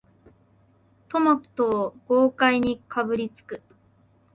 トマトを豪快にかぶりつく